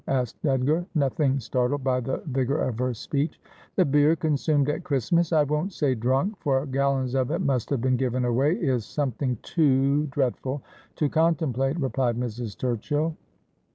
asked Edgar, nothing startled by the vigour of her speech. ' The beer consumed at Christmas — I won't say drunk, for gallons of it must have been given away — is something too dreadful to contemplate,' replied Mrs. Turchill.